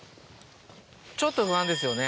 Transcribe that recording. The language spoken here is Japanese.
ちょっと不安ですよね。